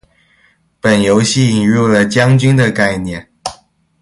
本游戏引人了将军的概念。